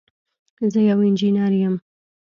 زه یو انجینر یم